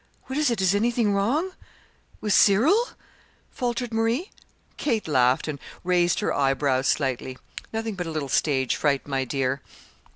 "What is it? Is anything wrong with Cyril?" faltered Marie. Kate laughed and raised her eyebrows slightly. "Nothing but a little stage fright, my dear."